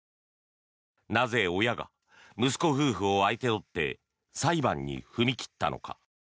なぜ、親が息子夫婦を相手取って裁判に踏み切ったのか。